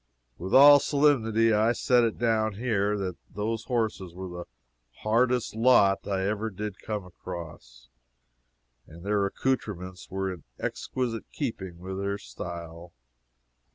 With all solemnity I set it down here, that those horses were the hardest lot I ever did come across, and their accoutrements were in exquisite keeping with their style.